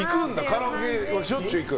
カラオケしょっちゅう行く？